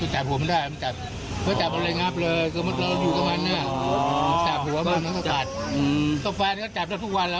ตาไม่อยากให้เอาหมาออกไปจากบ้านเพราะตารักหมาว่างั้น